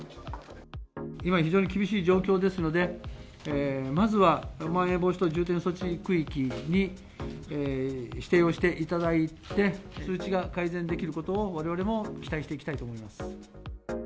今非常に厳しい状況ですので、まずはまん延防止等重点措置区域に指定をしていただいて、数値が改善できることを、われわれも期待していきたいと思います。